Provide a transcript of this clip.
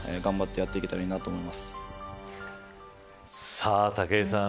さあ、武井さん。